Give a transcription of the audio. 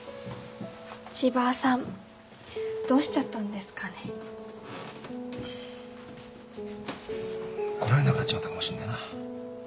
千葉さんどうしちゃったんですかね。来られなくなっちまったかもしんねえな。